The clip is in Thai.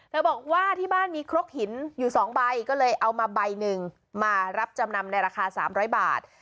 บอกว่าที่บ้านมีครกหินอยู่๒ใบก็เลยเอามาใบหนึ่งมารับจำนำในราคา๓๐๐บาท